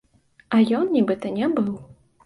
А ён, нібыта, не быў.